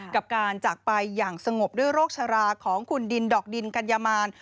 กับการจากไปอย่างสงบด้วยโรคชราของคุณดินดอกดินกัญญามาร